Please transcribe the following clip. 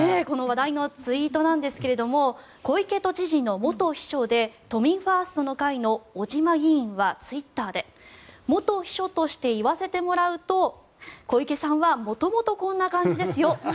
この話題のツイートですが小池都知事の元秘書で都民ファーストの会の尾島議員はツイッターで元秘書として言わせてもらうと小池さんは元々こんな感じですよ。